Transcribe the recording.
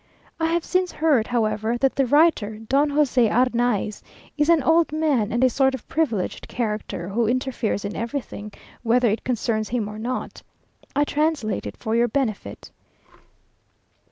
I have since heard, however, that the writer, Don José Arnaiz, is an old man, and a sort of privileged character, who interferes in everything, whether it concerns him or not. I translate it for your benefit.